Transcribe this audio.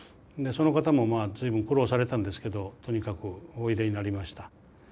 その方も随分苦労されたんですけどとにかくおいでになりました。